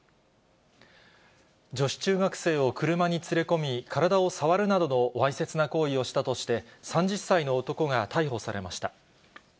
女子中学生を車に連れ込み、体を触るなどのわいせつな行為をしたとして、３０歳の男が逮捕されました。